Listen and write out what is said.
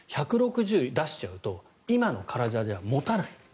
１６０ｋｍ出しちゃうと今の体じゃ持たない。